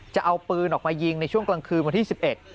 จะเอาปืนออกมายิงในช่วงกลางคืนวันที่สิบเอ็ด